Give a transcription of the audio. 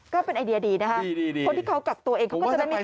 ก็เป็นไอเดียดีนะคะคนที่เขากักตัวเองเขาก็จะได้ไม่